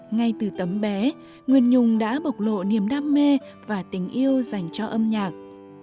ngay từ tấm bé nguyên nhung đã bộc lộ niềm đam mê và tình yêu dành cho âm nhạc